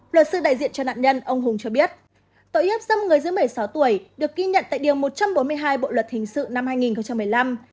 luật sư đại diện cho nạn nhân ông hùng cho biết tội hiếp dâm người dưới một mươi sáu tuổi được ký nhận tại điều một trăm bốn mươi hai bộ luật hình sự năm hai nghìn một mươi năm